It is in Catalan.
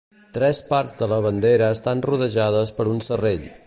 Tres parts de la bandera estan rodejades per un serrell.